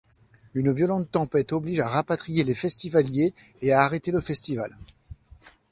Une violente tempête oblige à rapatrier les festivaliers et à arrêter le festival.